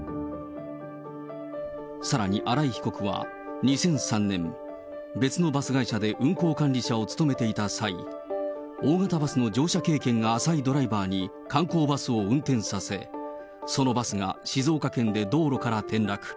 さらに荒井被告は２００３年、別のバス会社で運行管理者を務めていた際、大型バスの乗車経験が浅いドライバーに、観光バスを運転させ、そのバスが静岡県で道路から転落。